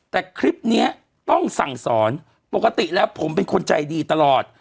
แต่คลิปนี้ต้องสั่งสอนปกติแล้วผมเป็นคนใจดีตลอด